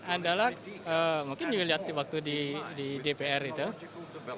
adalah mungkin yang dilihat waktu di dpr itu